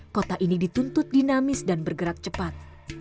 kota ini dituntut dinamis dan bergerak cepat